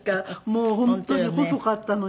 もう本当に細かったのに。